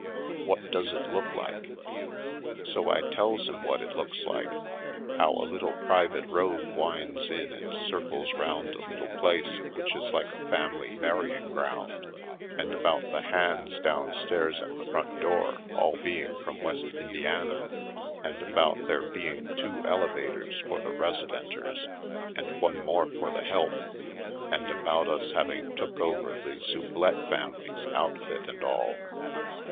What does it look like?" So I tells him what it looks like — how Harlem Heights 69 a little private road winds in and circles round a little place which is like a family burying ground, and about the hands downstairs at the front door all being from West Indiana, and about there being two elevators for the residenters and one more for the help, and about us having took over the Sublette family's outfit and all.